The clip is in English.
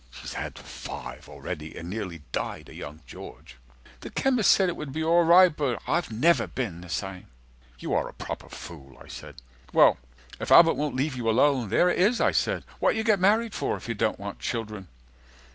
(She's had five already, and nearly died of young George.) 160 The chemist said it would be all right, but I've never been the same. You are a proper fool, I said. Well, if Albert won't leave you alone, there it is, I said, What you get married for if you don't want children?